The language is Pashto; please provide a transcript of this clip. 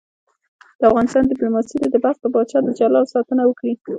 د افغانستان دیپلوماسي دې د بلخ د پاچا د جلال ساتنه وکړي.